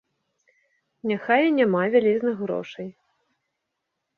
Няхай і няма вялізных грошай.